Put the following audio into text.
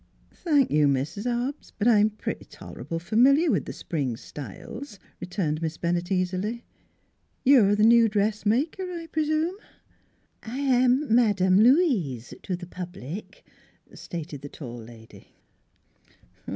" Thank you, Mis' Hobbs, but I'm pretty tor able f'miliar with th' spring styles," returned Miss Bennett easily. " You're th' new dressmaker, I p'rsume? "" I am Madame Louise to the public," stated the tall lady.